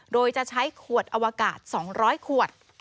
โดยจะใช้ขวดอวกาศ๒๐๐ขวด